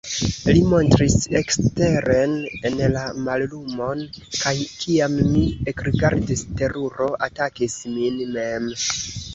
Li montris eksteren en la mallumon, kaj kiam mi ekrigardis, teruro atakis min mem.